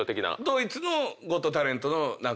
ドイツの。